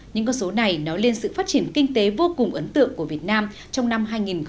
những con số này nói lên sự phát triển kinh tế vô cùng ấn tượng của việt nam trong năm hai nghìn một mươi chín